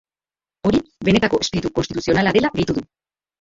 Hori benetako espiritu konstituzionala dela gehitu du.